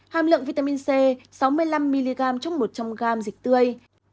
hàm lượng vitamin c sáu mươi năm mg trong một trăm linh gram dịch tươi